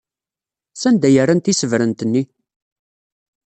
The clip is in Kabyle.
Sanda ay rran tisebrent-nni?